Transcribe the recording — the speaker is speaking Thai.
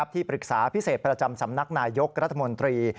ที่ปรึกษาพิเศษประจำสำนักนายยกรัฐมนตรี